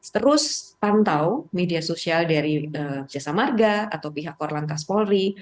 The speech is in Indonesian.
terus pantau media sosial dari jasa marga atau pihak korlantas polri